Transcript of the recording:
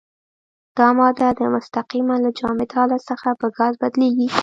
دا ماده مستقیماً له جامد حالت څخه په ګاز بدلیږي.